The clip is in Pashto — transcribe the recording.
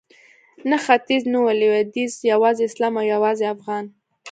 نه ختیځ نه لویدیځ یوازې اسلام او یوازې افغان